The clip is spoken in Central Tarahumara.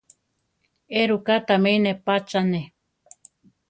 Éruká tamí nepátzaane?